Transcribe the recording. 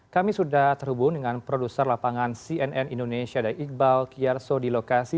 kami sudah terhubung dengan produser lapangan cnn indonesia dari iqbal kiyarso di lokasi